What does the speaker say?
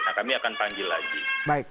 nah kami akan panggil lagi